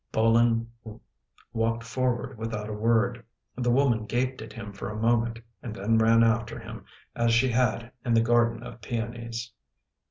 Bolin walked forward without a word. The woman gaped at him for a moment and then ran after him as she had in the garden of peonies.